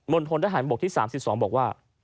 ณฑนทหารบกที่๓๒บอกว่า